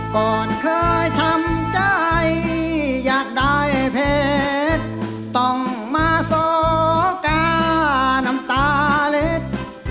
ก่อนเคยช้ำใจอยากได้เพชรต้องมาสอก้าน้ำตาเล็ด